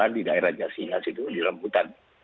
di daerah jasina di dalam hutan